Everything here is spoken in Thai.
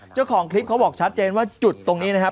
เจ้าของคลิปเขาบอกชัดเจนว่าจุดตรงนี้นะครับ